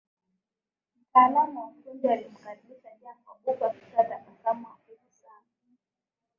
Mtaalam wa ufundi alimkaribisha Jacob huku akitoa tabasamu hafifu sana